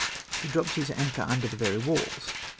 He dropped, his anclior under the very vails.